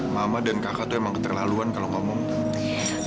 mama dan kakak tuh emang keterlaluan kalau ngomong penting